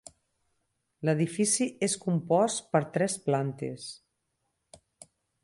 L'edifici és compost per tres plantes.